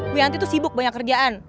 gue nanti tuh sibuk banyak kerjaan